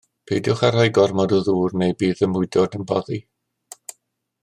Peidiwch â rhoi gormod o ddŵr neu bydd y mwydod yn boddi.